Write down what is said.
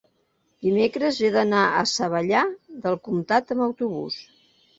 dimecres he d'anar a Savallà del Comtat amb autobús.